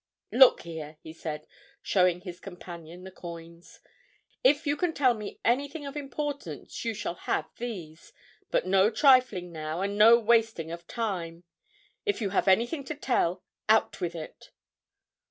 "Look here," he said, showing his companion the coins, "if you can tell me anything of importance you shall have these. But no trifling, now. And no wasting of time. If you have anything to tell, out with it!"